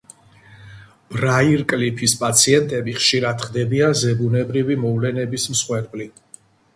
ბრაირკლიფის პაციენტები ხშირად ხდებიან ზებუნებრივი მოვლენების მსხვერპლი.